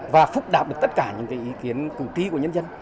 và phúc đạp được tất cả những cái ý kiến cục ký của nhân dân